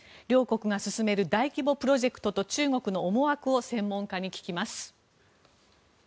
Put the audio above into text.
両国が進める大規模プロジェクトと中国の思惑を専門家に聞きます。